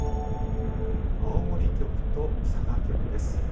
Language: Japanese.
青森局と佐賀局です。